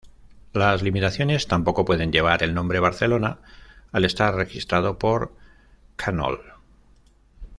Las imitaciones tampoco pueden llevar el nombre "Barcelona", al estar registrado por Knoll.